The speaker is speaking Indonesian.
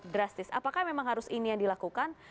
drastis apakah memang harus ini yang dilakukan